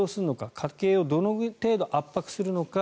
家計をどの程度圧迫するのか。